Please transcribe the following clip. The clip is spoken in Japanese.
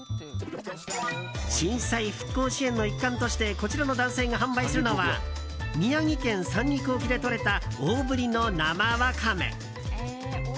震災復興支援の一環としてこちらの男性が販売するのは宮城県三陸沖でとれた大ぶりの生ワカメ。